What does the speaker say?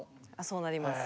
そうなります。